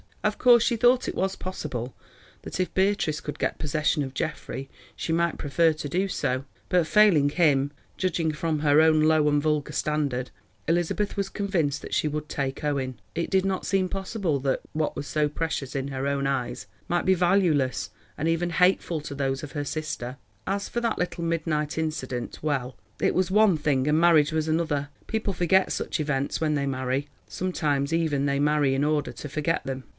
Of course she thought it was possible that if Beatrice could get possession of Geoffrey she might prefer to do so, but failing him, judging from her own low and vulgar standard, Elizabeth was convinced that she would take Owen. It did not seem possible that what was so precious in her own eyes might be valueless and even hateful to those of her sister. As for that little midnight incident, well, it was one thing and marriage was another. People forget such events when they marry; sometimes even they marry in order to forget them.